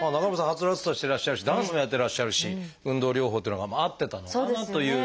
はつらつとしてらっしゃるしダンスもやってらっしゃるし運動療法っていうのが合ってたのかなという。